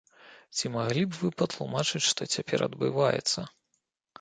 Ці маглі б вы патлумачыць, што цяпер адбываецца?